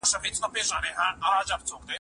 د خپلواکۍ په سمند سپور ښکلی پاچا راځي